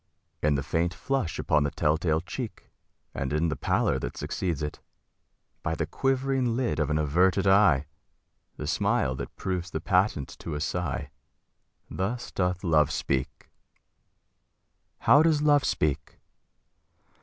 In the faint flush upon the tell tale cheek, And in the pallor that succeeds it; by The quivering lid of an averted eye The smile that proves the patent to a sigh Thus doth Love speak. How does Love speak?